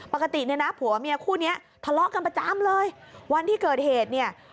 ปกติเนี่ยนะผัวเมียคู่นี้ทะเลาะกันประจำเลยวันที่เกิดเหตุเนี่ย